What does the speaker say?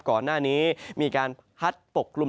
ก่อนหน้านี้มีการพัดปกกลุ่ม